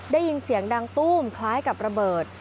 ได้ยินเสียงดังตู้มคล้ายกับระเบิด